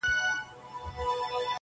د کندهار ماځيگره، ستا خبر نه راځي.